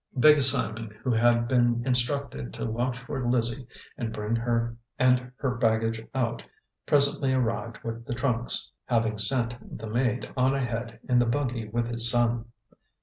Big Simon, who had been instructed to watch for Lizzie and bring her and her baggage out, presently arrived with the trunks, having sent the maid on ahead in the buggy with his son.